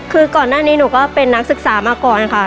คือก่อนหน้านี้หนูก็เป็นนักศึกษามาก่อนค่ะ